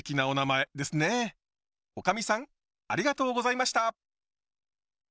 おかみさんありがとうございました。